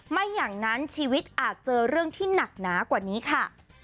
ไม่อย่างนั้นชีวิตอาจเจอเรื่องที่หนักหนากว่านี้ค่ะ